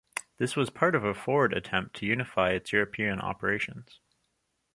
This was part of a Ford attempt to unify its European operations.